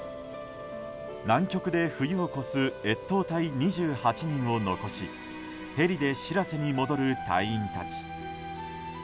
南極で冬を越す越冬隊２８人を残しヘリで「しらせ」に戻る隊員たち。